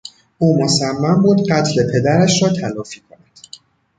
او مصمم بود قتل پدرش را تلافی کند.